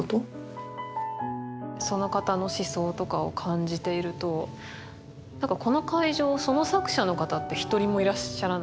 その方の思想とかを感じているとなんかこの会場その作者の方って一人もいらっしゃらない。